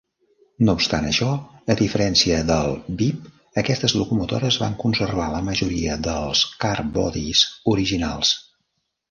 No obstant això, a diferència del "Beep", aquestes locomotores van conservar la majoria dels "Carbodies" originals.